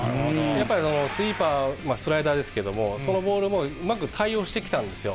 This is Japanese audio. やっぱりスイーパー、スライダーですけれども、そのボールもうまく対応してきたんですよ。